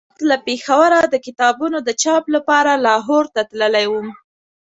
یو وخت له پېښوره د کتابونو د چاپ لپاره لاهور ته تللی وم.